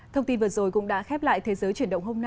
thông tin vừa rồi cũng đã khép lại thế giới chuyển động hôm nay